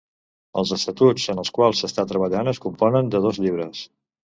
Els estatuts en els quals s’està treballant es componen de dos llibres.